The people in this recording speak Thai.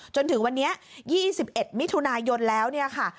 จนถึงวันนี้๒๑มิถุนายนแล้วเนี่ยค่ะ